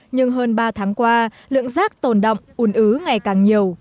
nhưng hơn ba tháng qua lượng rác tồn động un ứ ngày càng nhiều